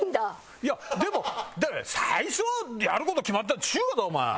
いやでもだから最初はやる事決まってる中華だぞお前。